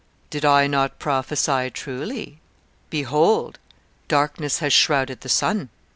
'Did I not prophesy truly? Behold, darkness has shrouded the sun.'